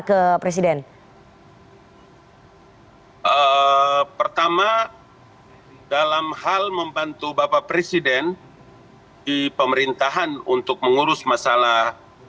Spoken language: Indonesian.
ke presiden pertama dalam hal membantu bapak presiden di pemerintahan untuk mengurus masalah